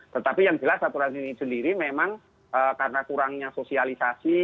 tetapi yang jelas aturan ini sendiri memang karena kurangnya sosialisasi